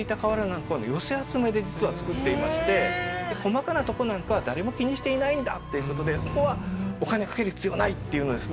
寄せ集めで実は造っていまして細かなとこなんかは誰も気にしていないんだっていうことでそこはお金かける必要はないっていうのでですね